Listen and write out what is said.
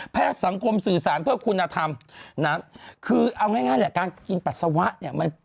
แพทย์สังคมสื่อสารเพื่อคุณธรรมคืออะไรเหรอ